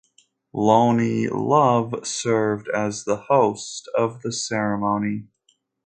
Loni Love served as the host of the ceremony.